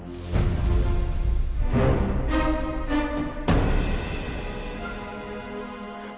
jangan lupa nyalakan panggilan yang ada di dalam video ini